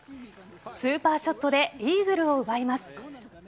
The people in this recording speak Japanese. スーパーショットでイーグルを奪います。